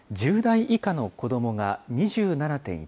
１０代以下の子どもが２７．１％。